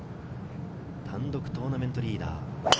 単独トーナメントリーダー。